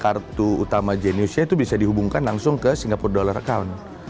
kartu utama geniusnya itu bisa dihubungkan langsung ke singapura dollar account